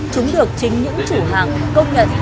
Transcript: chúng được chính những chủ hàng công nhận